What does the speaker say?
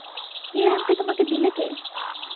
এ আংটি তোমাকে দিলে কে?